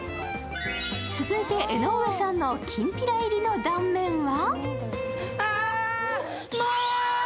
続いて江上さんの、きんぴら入りの断面は？